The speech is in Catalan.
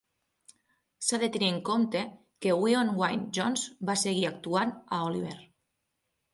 S'ha de tenir en compte que Gwion Wyn Jones va seguir actuant a Oliver!